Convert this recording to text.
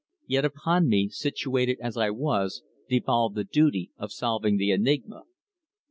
Yet upon me, situated as I was, devolved the duty of solving the enigma.